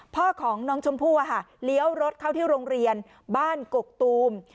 พ่อของน้องชมพู่เลี้ยวรถเข้าที่โรงเรียนบ้านกกตูม